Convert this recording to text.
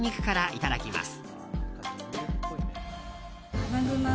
いただきます。